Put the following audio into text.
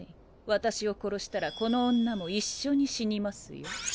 私を殺したらこの女も一緒に死にますよ。